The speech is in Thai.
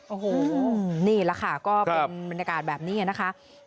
โอ้โหนี่แหละค่ะก็เป็นบรรยากาศแบบนี้นะคะ